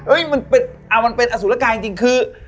มันเป็นอสุรกายจริงคือ